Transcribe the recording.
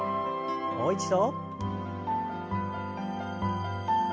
もう一度。